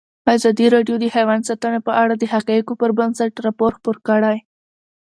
ازادي راډیو د حیوان ساتنه په اړه د حقایقو پر بنسټ راپور خپور کړی.